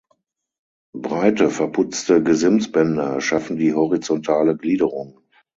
Breite verputzte Gesimsbänder schaffen die horizontale Gliederung.